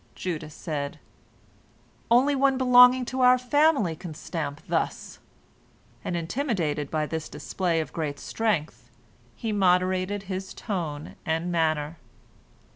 Judah said, "Only one belonging to our family can stamp thus!" and intimidated by this display of great strength, he moderated his tone and manner.